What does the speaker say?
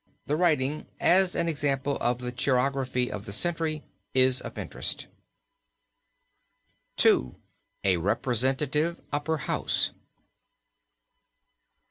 The writing as an example of the chirography of the century is of interest. II. A REPRESENTATIVE UPPER HOUSE.